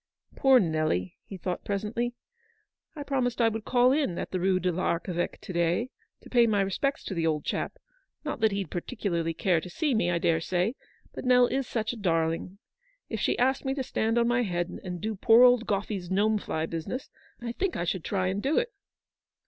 "Poor Nelly," he thought presently. "I promised I would call in the Rue do l'Archeveque to day, to pay my respects to the old chap. Not that he'd particularly care to see me, I dare say, but Nell is such a darling. If she asked me to stand on my head, and do poor old Gome's gnome fly business, I think I should try and do it.